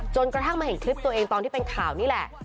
กระทั่งมาเห็นคลิปตัวเองตอนที่เป็นข่าวนี่แหละ